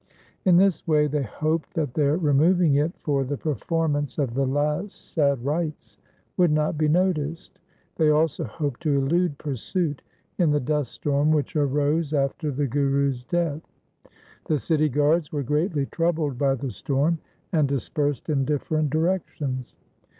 In this way they hoped that their removing it for the performance of the last sad rites would not be noticed. They also hoped to elude pursuit in the dust storm which arose after the Guru's death. The city guards were greatly troubled by the storm, and dispersed in different directions.